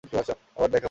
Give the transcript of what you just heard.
আবার দেখা হবে!